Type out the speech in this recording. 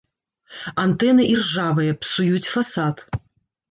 Антэны іржавыя, псуюць фасад.